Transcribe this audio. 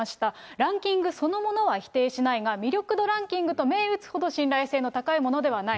ランキングそのものは否定しないが、魅力度ランキングと銘打つほど信頼性の高いものではない。